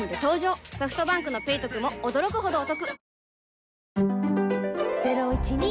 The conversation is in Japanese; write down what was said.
ソフトバンクの「ペイトク」も驚くほどおトク